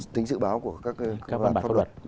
tính dự báo của các pháp luật